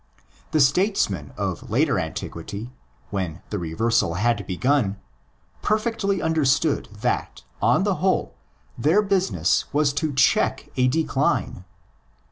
The statesmen of later antiquity, when the reversal had begun, per fectly understood that, on the whole, their business was to check a decline.